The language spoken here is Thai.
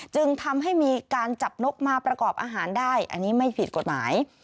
จึงทำให้มีการจับนกมาประกอบอาหารได้อันนี้ไม่ผิดกฎหมาย